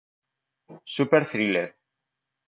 Super Thriller